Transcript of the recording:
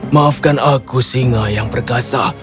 maafkan aku singa yang perkasa